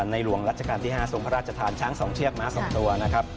หลวงรัชกาลที่๕ทรงพระราชทานช้าง๒เชือกม้า๒ตัวนะครับ